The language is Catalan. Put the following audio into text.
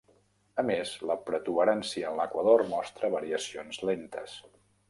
A més, la protuberància en l'equador mostra variacions lentes.